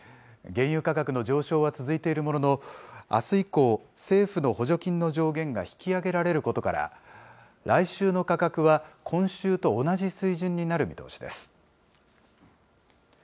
原油価格の上昇は続いているものの、あす以降、政府の補助金の上限が引き上げられることから、来週の価格は今週と同じ水準になる見通しです。